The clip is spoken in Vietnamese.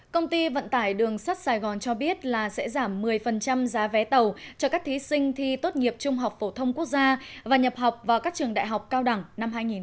công ty vận tải đường sắt sài gòn cho biết là sẽ giảm một mươi giá vé tàu cho các thí sinh thi tốt nghiệp trung học phổ thông quốc gia và nhập học vào các trường đại học cao đẳng năm hai nghìn hai mươi